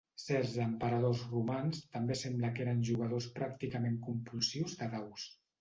Certs emperadors romans també sembla que eren jugadors pràcticament compulsius de daus.